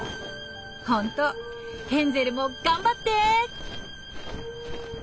ほんとヘンゼルも頑張って！